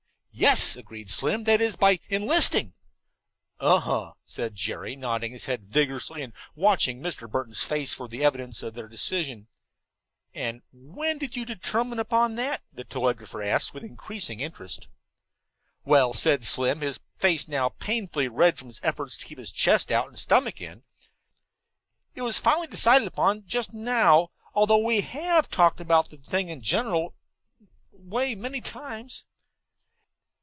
"Yes," agreed Slim, "that's it, by enlisting." "Uh huh," said Jerry, nodding his head vigorously and watching Mr. Burton's face for evidence of the effect of their decision. "And when did you determine upon that?" the telegrapher asked, with increasing interest. "Well," said Slim, his face now painfully red from his efforts to keep chest out and stomach in, "it was finally decided upon just now, although we have talked about the thing in a general way many times."